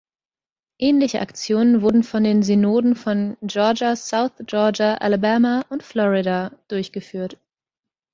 Ähnliche Aktionen wurden von den Synoden von Georgia, South Georgia, Alabama und Florida durchgeführt.